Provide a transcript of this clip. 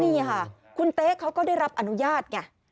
นี่ค่ะคุณเต๊ะเขาก็ได้รับอนุญาตไง